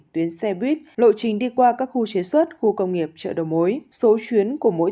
tuyến xe buýt lộ trình đi qua các khu chế xuất khu công nghiệp chợ đầu mối số chuyến của mỗi